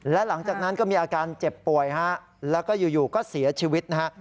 และหลังจากนั้นก็มีอาการเจ็บป่วยฮะแล้วก็อยู่ก็เสียชีวิตนะฮะ